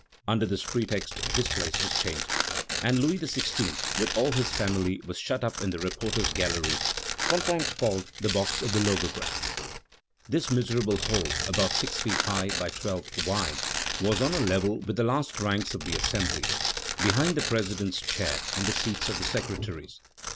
Under this pretext his place was changed, and Louis XVI. with all his family was shut up in the reporters' gallery, sometimes called the box of the Logograph. This miserable hole, about six feet high by twelve wide, was on a level with the last ranks of the Assembly, behind the president's chair and the seats of the secretaries.